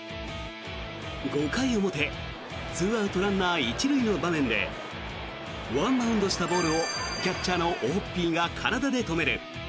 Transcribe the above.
５回表２アウト、ランナー１塁の場面でワンバウンドしたボールをキャッチャーのオホッピーが体で止める。